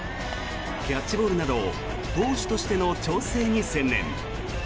キャッチボールなど投手としての調整に専念。